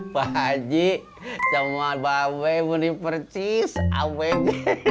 pak haji sama mba be menipercis abg